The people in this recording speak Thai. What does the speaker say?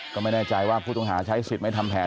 ก็ไม่แน่ใจว่าผู้ต้องหาใช้สิทธิ์ไม่ทำแผน